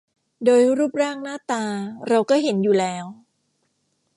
โดยรูปร่างหน้าตาเราก็เห็นอยู่แล้ว